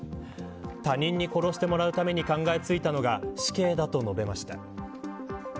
他人に殺してもらうために考えていたのが死刑だと述べました。